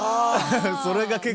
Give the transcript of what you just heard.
それが結構。